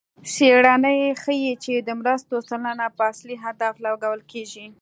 څېړنې ښيي چې د مرستو سلنه په اصلي هدف لګول کېږي.